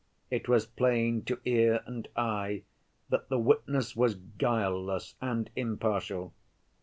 It was plain to ear and eye that the witness was guileless and impartial.